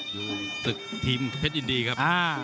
อยู่ตึกทีมเพชรยินดีครับ